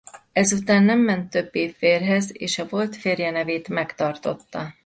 Ezután nem ment többé férjhez és a volt férje nevét megtartotta.